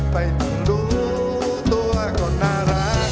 ต้องรู้ตัวก็น่ารัก